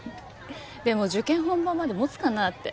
でも受験本番まで持つかなって。